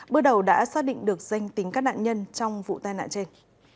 bước đầu đã xác định được danh tính các nạn nhân trong vụ tai nạn trên